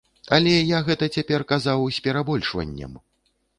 Але я гэта цяпер казаў з перабольшваннем!